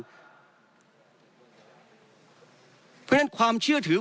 เพราะฉะนั้นความเชื่อถือ